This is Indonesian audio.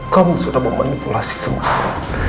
kamu sudah memanipulasi semua